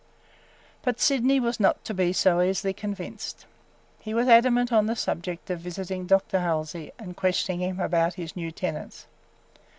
But Sydney was not to be so easily convinced. He was adamant on the subject of visiting Dr. Halsey and questioning him about his new tenants.